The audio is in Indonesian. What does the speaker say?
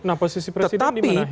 nah posisi presiden di mana